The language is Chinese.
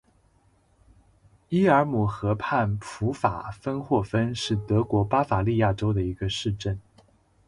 伊尔姆河畔普法芬霍芬是德国巴伐利亚州的一个市镇。